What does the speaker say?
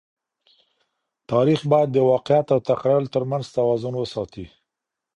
تاریخ باید د واقعیت او تخیل تر منځ توازن وساتي.